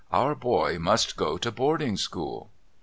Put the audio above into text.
Our boy must go to boarding school.'